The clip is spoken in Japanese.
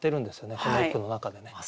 この一句の中でね。